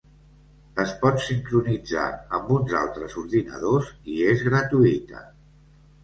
Es pot sincronitzar amb uns altres ordinadors i és gratuïta.